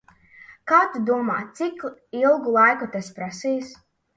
Kā tu domā, cik ilgu laiku tas prasīs?